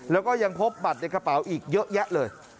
แล้วก็ยังพบบัตรในกระเป๋าอีกเยอะแยะเลย